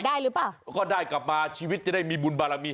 ได้หรือเปล่าก็ได้กลับมาชีวิตจะได้มีบุญบารมี